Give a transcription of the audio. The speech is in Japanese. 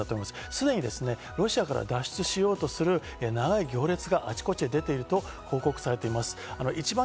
すでにロシアから脱出しようとする長い行列があちこちに出ていると報告されています。